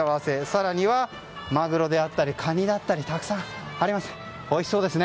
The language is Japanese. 更には、マグロであったりカニだったりたくさんあります。